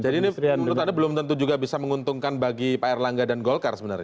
jadi ini menurut anda belum tentu juga bisa menguntungkan bagi pak erlangga dan golkar sebenarnya